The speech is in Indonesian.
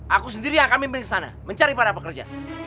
aku sendiri yang akan memberi kesana mencari para pekerja